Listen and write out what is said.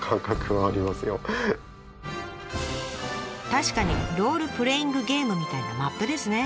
確かにロールプレイングゲームみたいなマップですね。